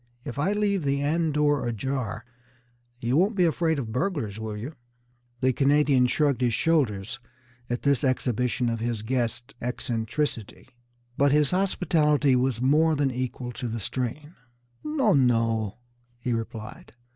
If I leave the end door ajar, you won't be afraid of burglars, will you?" The Canadian shrugged his shoulders at this exhibition of his guest's eccentricity, but his hospitality was more than equal to the strain. "Non, non!" he replied.